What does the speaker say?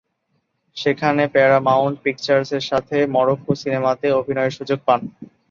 সেখানে প্যারামাউন্ট পিকচার্স-এর সাথে মরক্কো সিনেমাতে অভিনয়ের সুযোগ পান।